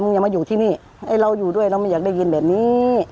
อย่ามาอยู่ที่นี่ไอ้เราอยู่ด้วยเราไม่อยากได้ยินแบบนี้